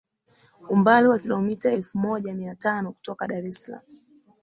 umbali wa kilometa elfu moja mia tano kutoka Dar es Salaam